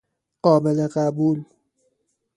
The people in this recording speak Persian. قابل قبول